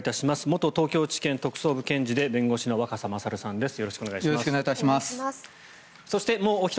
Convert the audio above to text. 元東京地検特捜部検事で弁護士の若狭勝さんです。